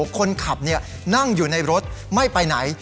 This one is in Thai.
คนขับนั่งอยู่ในรถไม่ไปไหน